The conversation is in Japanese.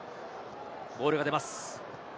ボールが出ます。